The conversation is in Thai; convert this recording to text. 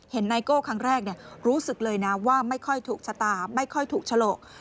ไนโก้ครั้งแรกรู้สึกเลยนะว่าไม่ค่อยถูกชะตาไม่ค่อยถูกฉลก